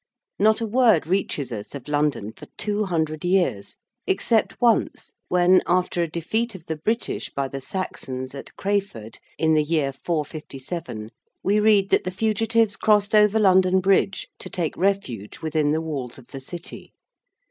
Not a word reaches us of London for two hundred years except once when, after a defeat of the British by the Saxons at Crayford in the year 457, we read that the fugitives crossed over London Bridge to take refuge within the walls of the City.